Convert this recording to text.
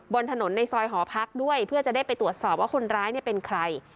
บนถนนในซอยหอพักด้วยเพื่อจะได้ไปตรวจสอบว่าคนร้ายเป็นใคร